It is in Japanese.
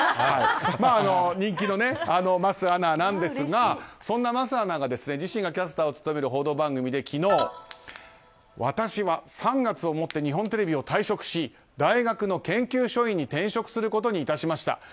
まあ人気の桝アナですがそんな桝アナが自身がキャスターを務める報道番組で昨日、私は３月をもって日本テレビを退職し大学の研究所員に転職することにいたしました。